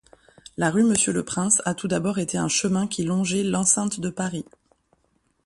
La rue Monsieur-le-Prince a tout d'abord été un chemin qui longeait l'enceinte de Paris.